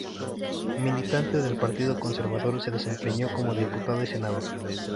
Militante del Partido Conservador, se desempeñó como diputado y senador.